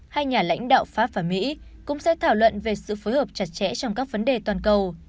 hai nhà lãnh đạo pháp và mỹ cũng sẽ thảo luận về sự phối hợp chặt chẽ trong các vấn đề toàn cầu